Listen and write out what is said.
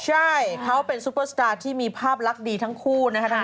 ใช่เขาเป็นซุปเปอร์สตาร์ที่มีภาพลักษณ์ดีทั้งคู่นะคะ